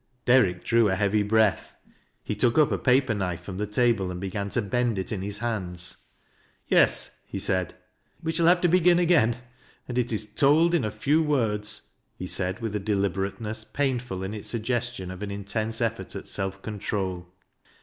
Derrick drew a heavy bi'eath. He took up a paper knife from the table, and began to bend it in his hands. " Yes," he said, " we shall have to begin again. And it is told in a few words," he said, with a deliberateness pain ful in its suggestion of an intense effort at self control.